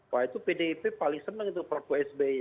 wah itu pdip paling senang itu perpu sby